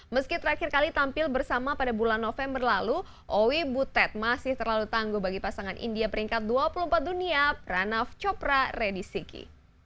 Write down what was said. meski terakhir kali tampil bersama pada bulan november lalu owi butet masih terlalu tangguh bagi pasangan india peringkat dua puluh empat dunia ranaf copra redisiki